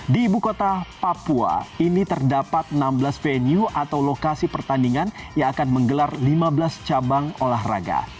di ibu kota papua ini terdapat enam belas venue atau lokasi pertandingan yang akan menggelar lima belas cabang olahraga